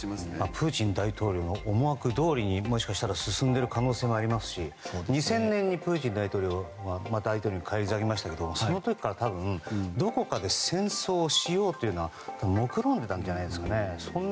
プーチン大統領の思惑どおりに進んでいる可能性もありますし２０００年にプーチン大統領は大統領に返り咲きましたけどその時から、多分どこかで戦争をしようというのはもくろんでいたんじゃないですかね。